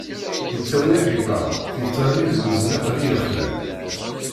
Yettawi agiṭar, yettɣenni deg uzniq-nni yexlan.